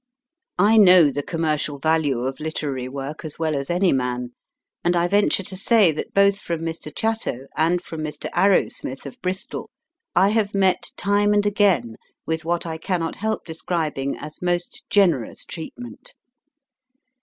I know the commercial value of literary work as well as any man, and I venture to say that both from Mr. Chatto and from Mr. Arrowsmith, of Bristol, I have met, time and again, with what I cannot help describing as most generous treatment.